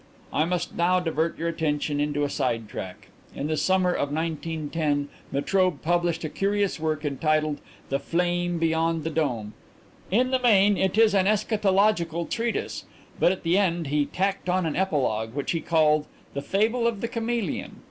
"I must now divert your attention into a side track. In the summer of 1910 Metrobe published a curious work entitled 'The Flame beyond the Dome.' In the main it is an eschatological treatise, but at the end he tacked on an epilogue, which he called 'The Fable of the Chameleon.'